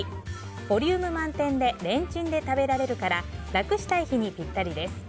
ボリューム満点でレンチンで食べられるから楽したい日にぴったりです。